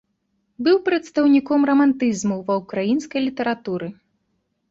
Быў прадстаўніком рамантызму ва ўкраінскай літаратуры.